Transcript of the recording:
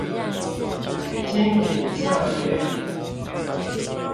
精品策略